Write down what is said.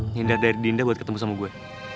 ngindar dari dinda buat ketemu sama gue